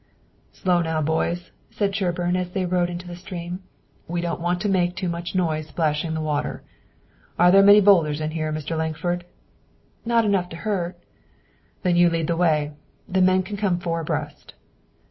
"Slow now, boys," said Sherburne, as they rode into the stream. "We don't want to make too much noise splashing the water. Are there many boulders in here, Mr. Lankford?" "Not enough to hurt." "Then you lead the way. The men can come four abreast."